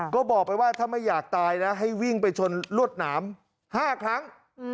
ก็บอกไปว่าถ้าไม่อยากตายนะให้วิ่งไปชนลวดหนาม๕ครั้ง